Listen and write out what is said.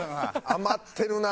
余ってるな。